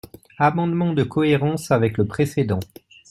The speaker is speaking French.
Amendement de cohérence avec le précédent.